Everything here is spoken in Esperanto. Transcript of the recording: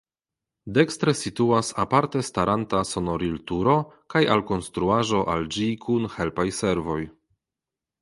Dekstre situas aparte staranta sonorilturo kaj alkonstruaĵo al ĝi kun helpaj servoj.